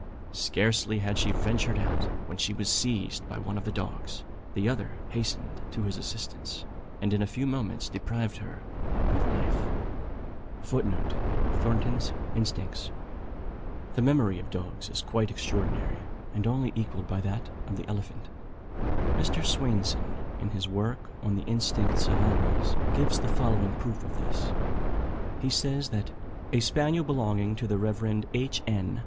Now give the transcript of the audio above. Scarcely had she ventured out, when she was seized by one of the dogs; the other hastened to his assistance, and in a few moments deprived her of life.[C] The memory of dogs is quite extraordinary, and only equalled by that of the elephant. Mr. Swainson, in his work on the instincts of animals, gives the following proof of this. He says that "A spaniel belonging to the Rev. H. N.